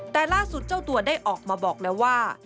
แต่ล่าสุดเจ้าตัวได้ออกมาบอกแล้วว่า